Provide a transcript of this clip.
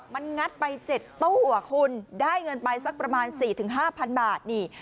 มันงัดไปเจ็ดโต้หัวคุณได้เงินไปสักประมาณสี่ถึงห้าพันบาทนี่